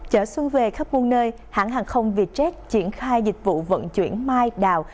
chở xuân về khắp nguồn nơi hãng hàng không vietjet triển khai dịch vụ vận chuyển mai đào